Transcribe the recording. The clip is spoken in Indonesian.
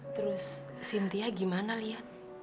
terus sintia gimana lia